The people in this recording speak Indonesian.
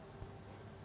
terus yang enam penumpang